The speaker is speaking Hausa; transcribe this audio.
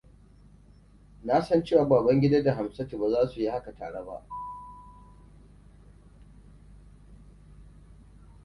Na san cewa Babangida da Hamsatu ba su yi haka tare ba.